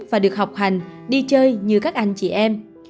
và được học hành đi chơi như các anh chị em